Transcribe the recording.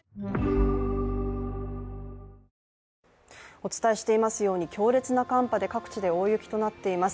お伝えしていますように強烈な寒波で各地で大雪となっています。